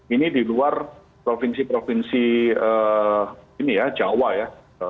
ini di luar provinsi provinsi ini ya jawa ya